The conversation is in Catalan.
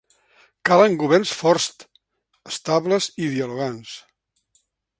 Calen governs forts, estables i dialogants